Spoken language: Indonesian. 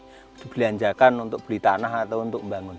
tidak boleh dibelanjakan untuk beli tanah atau untuk membangun